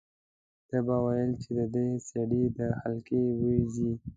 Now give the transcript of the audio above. ده به ویل چې د دې سړي د خلقي بوی ځي.